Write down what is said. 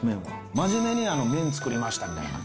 真面目に麺作りましたみたいな感じ。